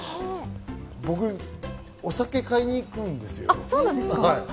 僕、お酒買いに行くんですよ。